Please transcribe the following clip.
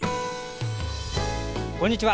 こんにちは。